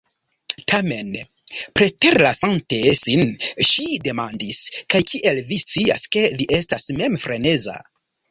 Tamen, preterlasante sin, ŝi demandis "kaj kiel vi scias ke vi estas mem freneza?"